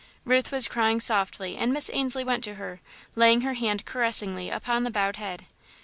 Ruth was crying softly and Miss Ainslie went to her, laying her hand caressingly upon the bowed head.